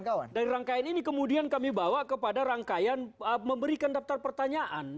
kawan dari rangkaian ini kemudian kami bawa kepada rangkaian memberikan daftar pertanyaan